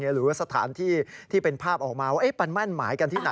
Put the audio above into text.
หรือว่าสถานที่ที่เป็นภาพออกมาว่ามันมั่นหมายกันที่ไหน